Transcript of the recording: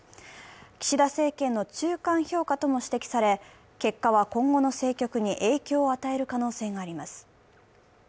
岸田政権の中間評価とも指摘され、結果は今後の政局に影響を与える可能性があります。